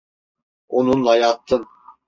Onunla yattın.